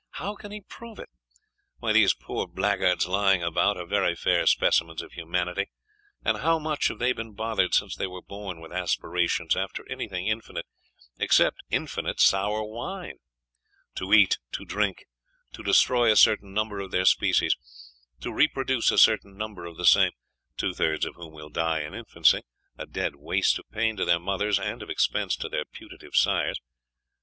How can he prove it? Why, these poor blackguards lying about are very fair specimens of humanity. And how much have they been bothered since they were born with aspirations after anything infinite, except infinite sour wine? To eat, to drink; to destroy a certain number of their species; to reproduce a certain number of the same, two thirds of whom will die in infancy, a dead waste of pain to their mothers and of expense to their putative sires....